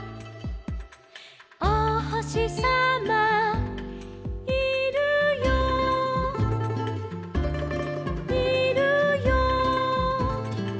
「おほしさまいるよいるよ」